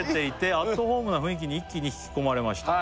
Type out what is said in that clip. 「アットホームな雰囲気に一気に引き込まれました」